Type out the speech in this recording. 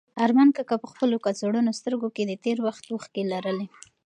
ارمان کاکا په خپلو کڅوړنو سترګو کې د تېر وخت اوښکې لرلې.